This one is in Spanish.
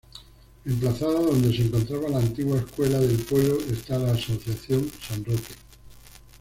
Emplazada donde se encontraba la antigua escuela del pueblo, está la asociación San Roque.